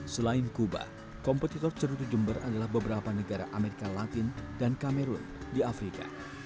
selain kuba kompetitor cerutu jember adalah beberapa negara amerika latin dan kamerun di afrika